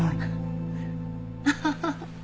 アハハハ。